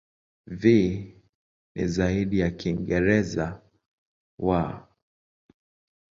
V ni zaidi ya Kiingereza "w".